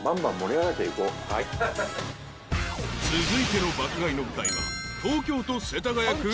［続いての爆買いの舞台は東京都世田谷区］